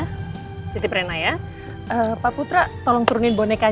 k jamin areailing untuk kesatuan dan utama